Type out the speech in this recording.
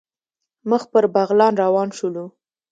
مخ پر بغلان روان شولو.